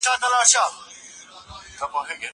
زه به اوږده موده د کتابتون کتابونه ولولم!.